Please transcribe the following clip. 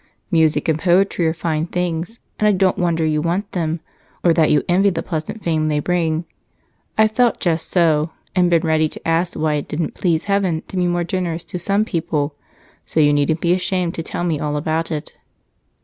Music and poetry are fine things, and I don't wonder you want them, or that you envy the pleasant fame they bring. I've felt just so, and been ready to ask why it didn't please heaven to be more generous to some people, so you needn't be ashamed to tell me all about it."